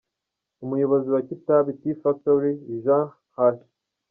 Umuyobozi wa Kitabi Tea Factory, Jean H.